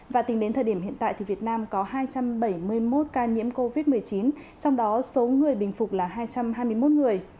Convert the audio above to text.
và tính đến thời điểm hiện tại thì việt nam có hai trăm bảy mươi một ca nhiễm covid một mươi chín trong đó số người bình phục là hai trăm hai mươi một người